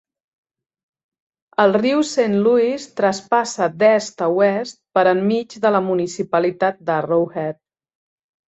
El riu Saint Louis traspassa d'est a oest per enmig de la municipalitat d'Arrowhead.